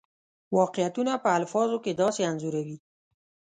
واقعیتونه په الفاظو کې داسې انځوروي.